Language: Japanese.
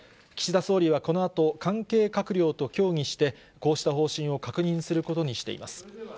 岸田総理はこのあと、関係閣僚と協議して、こうした方針を確認することにしています。